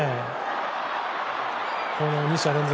２者連続